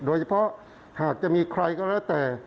โดยเฉพาะหากจะมีใครก็แล้วแต่